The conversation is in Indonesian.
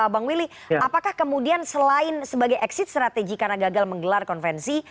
bang willy apakah kemudian selain sebagai exit strategy karena gagal menggelar konvensi